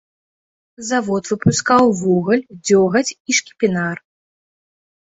Завод выпускаў вугаль, дзёгаць і шкіпінар.